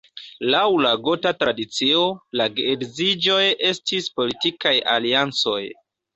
Laŭ la gota tradicio, la geedziĝoj estis politikaj aliancoj.